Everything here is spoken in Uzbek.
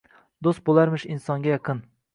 Do’st bo’larmish insonga yaqin.